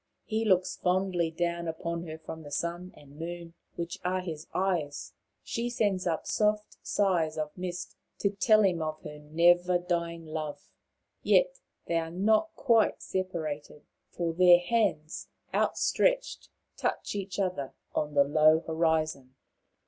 He looks fondly down upon her from the sun and moon, which are his eyes ; she sends up soft sighs of mist to tell The Six Brothers 2 9 him of her never dying love. Yet they are not quite separated, for their hands, outstretched, touch each other on the low horizon.